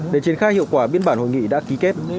để triển khai hiệu quả biên bản hội nghị đã ký kết